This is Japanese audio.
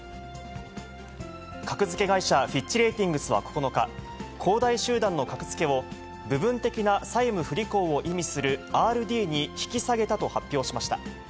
格付け会社、フィッチ・レーティングスは９日、恒大集団の格付けを、部分的な債務不履行を意味するＲＤに引き下げたと発表しました。